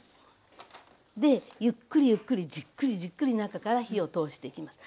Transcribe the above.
でゆっくりゆっくりじっくりじっくり中から火を通していきます。